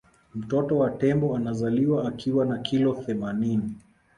mtoto wa tembo anazaliwa akiwa na kilo themanini